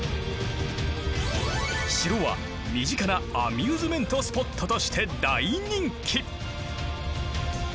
城は身近なアミューズメントスポットとして大人気！